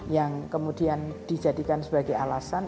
yang kemudian dijadikan sebagai alasan